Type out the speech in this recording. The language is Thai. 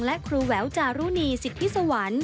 และครูแหววจารุณีสิทธิสวรรค์